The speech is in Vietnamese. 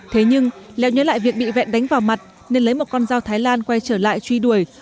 thế nhưng léo nhớ lại việc bị vẹn đánh vào mặt nên lấy một con dao thái lan quay trở lại truy đuổi